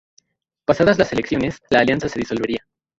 Pasadas las elecciones la alianza se disolvería.